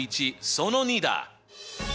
その２だ！